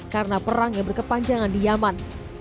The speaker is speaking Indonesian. karena perang yang berkepanjangan di yaman